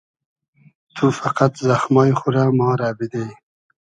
تو فئقئد زئخمای خو رۂ ما رۂ بیدی